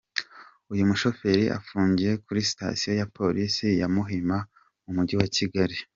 Uyu mushoferi afungiye kuri sitasiyo ya Polisi ya Muhima mu Mujyi wa Kigali.